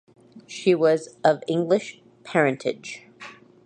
She was of English parentage.